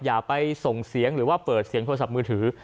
อย่าไปส่งเสียงหรือว่าเปิดเสียงโทรศัพท์มือถือ